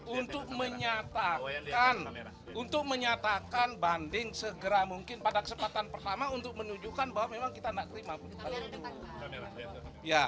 untuk menyatakan untuk menyatakan banding segera mungkin pada kesempatan pertama untuk menunjukkan bahwa memang kita tidak terima putusan